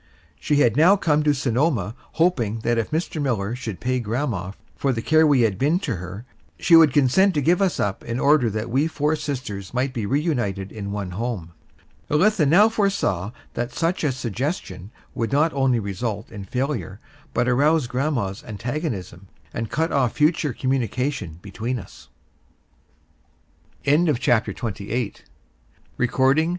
She had now come to Sonoma hoping that if Mr. Miller should pay grandma for the care we had been to her, she would consent to give us up in order that we four sisters might be reunited in one home. Elitha now foresaw that such a suggestion would not only result in failure, but arouse grandma's antagonism, and cut off future communication between us. CHAPTER XXIX GREAT SMALLPOX EPIDEMIC ST.